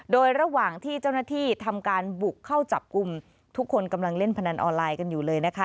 โดยระหว่างที่เจ้าหน้าที่ทำการบุกเข้าจับกลุ่มทุกคนกำลังเล่นพนันออนไลน์กันอยู่เลยนะคะ